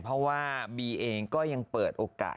เพราะว่าบีเองก็ยังเปิดโอกาส